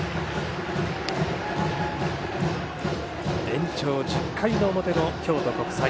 延長１０回の表の京都国際。